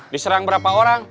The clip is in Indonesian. diserang berapa orang